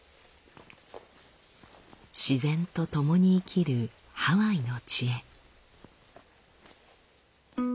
自然とともに生きるハワイの知恵。